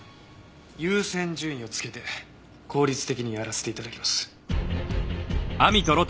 優先順位をつけて効率的にやらせて頂きます。